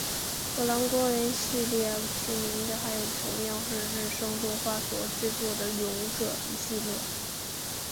和蓝光人系列齐名的还有同样是日升动画所制作的勇者系列。